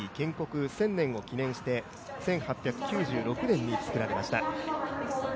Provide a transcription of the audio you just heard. １０００年を記念して１８９６年に作られました。